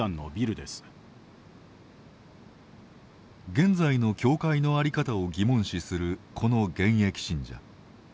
現在の教会の在り方を疑問視するこの現役信者。